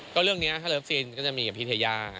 ก็เรื่องนี้ถ้าเลิฟซีนก็จะมีกับพี่เทย่า